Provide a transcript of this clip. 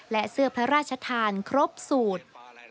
และเสื้อพระราชทานครบสูตร